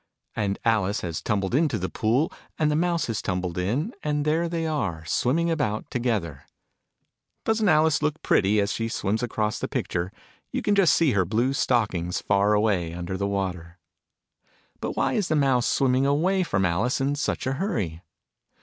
And Alice has tumbled into the Pool : and the Mouse has tumbled in : and there they are, swimming about together. Doesn't Alice look pretty, as she swims across the picture ? You can just see her blue stockings, far away under the water. Digitized by Google 12 THE NURSERY "ALICE." But why is the Mouse swimming away from Alice in such a hurry?